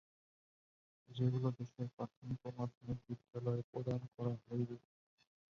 যেগুলো দেশের প্রাথমিক ও মাধ্যমিক বিদ্যালয়ে প্রদান করা হবে।